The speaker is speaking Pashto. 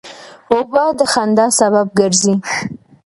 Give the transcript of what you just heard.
اوبه د خندا سبب ګرځي.